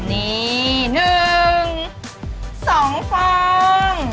นี่๑๒ฟอง